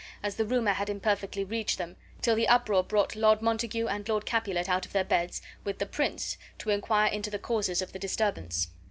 as the rumor had imperfectly reached them, till the uproar brought Lord Montague and Lord Capulet out of their beds, with the prince, to inquire into the causes of the disturbance.